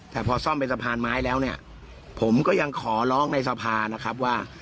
แต่พอซ่อมเป็นสะพานไม้แล้วเนี่ยผมก็ยังขอร้องในสภานะครับว่า